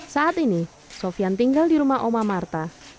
saat ini sofian tinggal di rumah oma marta